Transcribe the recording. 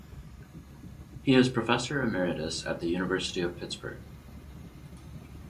He is Professor Emeritus at the University of Pittsburgh.